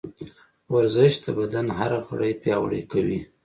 ورزش د بدن هر غړی پیاوړی کوي.